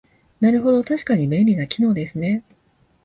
なるほど、確かに便利な機能ですね